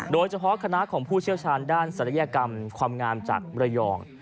โดยเฉพาะคณะของผู้เชี่ยวชาญด้านศัลยกรรมความงามจากมรยอง